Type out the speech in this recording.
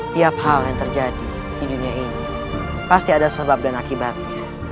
tiap hal yang terjadi di dunia ini pasti ada sebab dan akibatnya